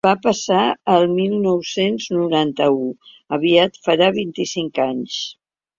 Va passar el mil nou-cents noranta-u: aviat farà vint-i-cinc anys.